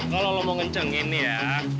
kalau lo mau ngencengin nih ya